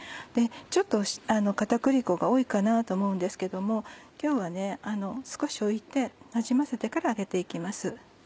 ちょっと片栗粉が多いかなと思うんですけども今日は少し置いてなじませてから揚げて行きます。